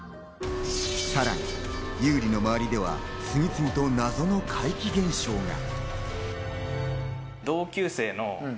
さらに優里の周りでは次々と謎の怪奇現象が。